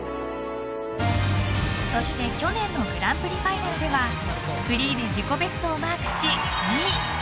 そして去年のグランプリファイナルではフリーで自己ベストをマークし２位。